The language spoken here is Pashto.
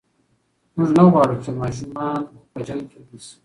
موږ نه غواړو چې ماشومان مو په جنګ کې لوي شي.